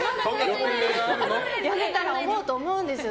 やめたら思うと思うんですよ。